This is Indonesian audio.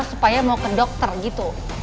supaya mau ke dokter gitu